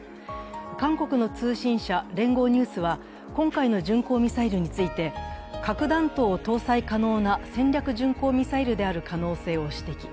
韓国の通信社・聯合ニュースは今回の巡航ミサイルについて、核弾頭を搭載可能な戦略巡航ミサイルである可能性を指摘。